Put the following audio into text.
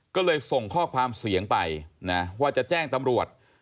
ก็เลยส่งข้อความเสียงไปนะว่าจะแจ้งตำรวจ